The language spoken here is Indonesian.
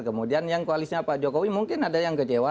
kemudian yang koalisnya pak jokowi mungkin ada yang kecewa